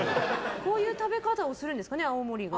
こういう食べ方をするんですかね、青森が。